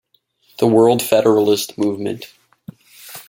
The World Federalist Movement.